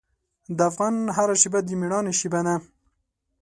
د افغان هره شېبه د میړانې شېبه ده.